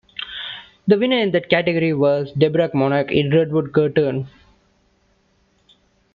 The winner in that category was Debra Monk in "Redwood Curtain".